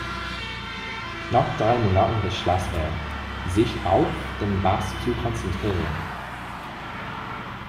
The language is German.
Nach drei Monaten beschloss er, sich auf den Bass zu konzentrieren.